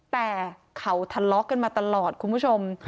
แต่เขาทะเลาะกันมาตลอดคุณผู้ชม